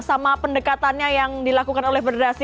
sama pendekatannya yang dilakukan oleh federasi